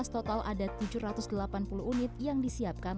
total ada tujuh ratus delapan puluh unit yang disiapkan